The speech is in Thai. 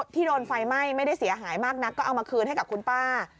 ที่โดนไฟไหม้ไม่ได้เสียหายมากนักก็เอามาคืนให้กับคุณป้า